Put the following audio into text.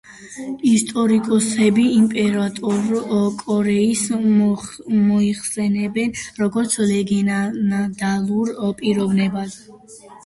ისტორიკოსები იმპერატორ კორეის მოიხსენიებენ, როგორც ლეგენდალურ პიროვნებად.